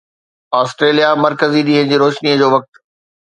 Australia مرڪزي ڏينهن جي روشني جو وقت